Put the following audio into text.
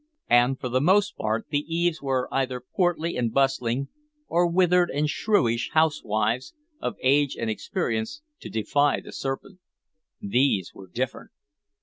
And for the most part, the Eves were either portly and bustling or withered and shrewish housewives, of age and experience to defy the serpent. These were different.